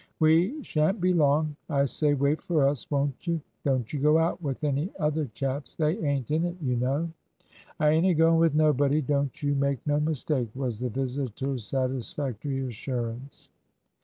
"We shan't be long. I say, wait for us, won't you? Don't you go out with any other chaps. They ain't in it, you know." "I ain't a going with nobody, don't you make no mistake," was the visitor's satisfactory assurance.